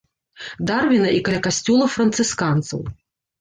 Дарвіна і каля касцёла францысканцаў.